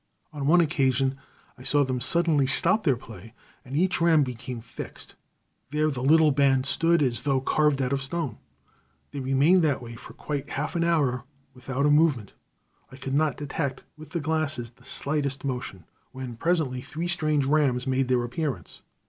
On one occasion I saw them suddenly stop their play and each ram became fixed; there the little band stood as though carved out of stone. They remained that way for quite half an hour without a movement. I could not detect with the glasses the slightest motion, when, presently, three strange rams made their appearance.